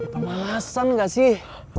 pemanasan gak sih